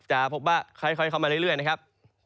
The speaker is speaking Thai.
จะพบว่าค่อยเข้ามาเรื่อยนะครับ